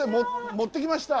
持ってきました。